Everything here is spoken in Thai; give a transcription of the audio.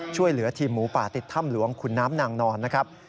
ช่วยเหลือทีมหมูป่าติดถ้ำหลวงขุนน้ำนางนอนนะครับ